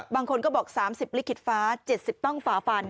บางคนก็บอก๓๐ลิขิตฟ้า๗๐ต้องฝาฟัน